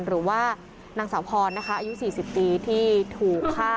หรือว่านางสาวพรนะคะอายุ๔๐ปีที่ถูกฆ่า